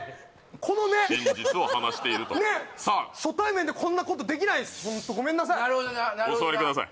この目真実を話していると初対面でこんなことできないっすホントごめんなさいなるほどななるほどなお座りください